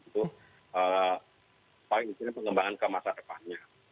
jadi itu yang paling penting pengembangan ke masa depannya